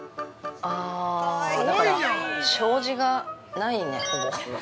あー、だから、障子がないね、ほぼ。